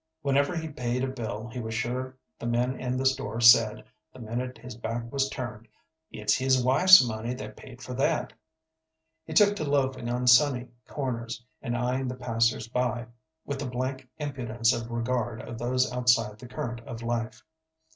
Whenever he paid a bill, he was sure the men in the store said, the minute his back was turned, "It's his wife's money that paid for that." He took to loafing on sunny corners, and eying the passers by with the blank impudence of regard of those outside the current of life.